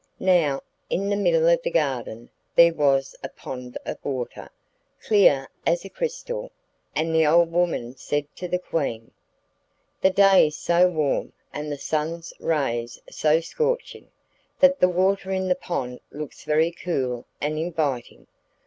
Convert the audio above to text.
Now, in the middle of the garden there was a pond of water, clear as crystal, and the old woman said to the Queen: 'The day is so warm, and the sun's rays so scorching, that the water in the pond looks very cool and inviting.